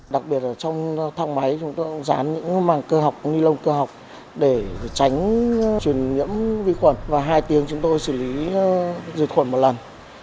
đặc biệt là trong thang máy chúng tôi rán những màng cơ học ni lông cơ học để tránh truyền nhiễm vi khuẩn và hai tiếng chúng tôi xử lý dịch khuẩn một lần